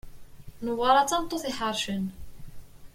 Newwara d tameṭṭut iḥercen.